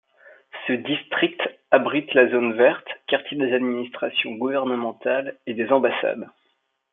Ce district abrite la Zone verte, quartier des administrations gouvernementales et des ambassades.